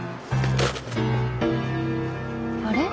あれ？